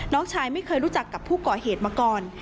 น้องชายไม่เคยรู้จักกับผู้ก่อเหตุมาก่อน